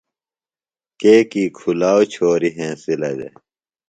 کیکی کُھلاؤ چھوریۡ ہنسِلہ دےۡ۔